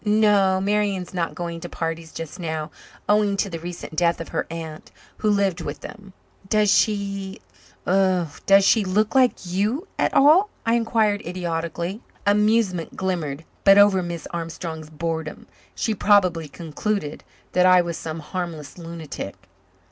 "No, Marian is not going to parties just now, owing to the recent death of her aunt, who lived with them." "Does she oh does she look like you at all?" I inquired idiotically. Amusement glimmered but over Miss Armstrong's boredom. She probably concluded that I was some harmless lunatic.